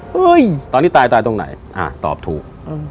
เฮ้ยตอนนี้ตายตายตรงไหนอ่ะตอบถูก